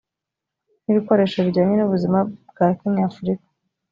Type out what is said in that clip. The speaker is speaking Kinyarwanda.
n ibikoresho bijyanye n ubuzima bwa kinyafurika